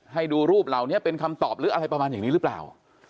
ให้ดูรูปเหล่านี้เป็นคำตอบหรืออะไรประมาณอย่างนี้หรือเปล่า